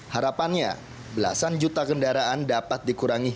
harapannya belasan juta kendaraan dapat dikurangi